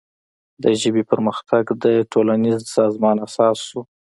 د ژبې پرمختګ د ټولنیز سازمان اساس شو.